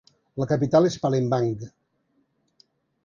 La capital és Palembang.